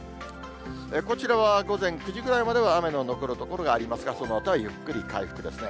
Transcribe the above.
こちらは午前９時ぐらいまでは雨の残る所がありますが、そのあとはゆっくり回復ですね。